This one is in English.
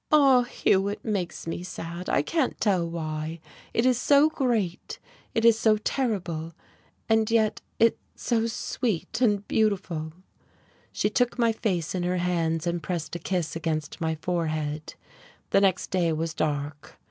"Ah, Hugh, it makes me sad I can't tell why. It is so great, it is so terrible, and yet it's so sweet and beautiful." She took my face in her hands and pressed a kiss against my forehead.... The next day was dark.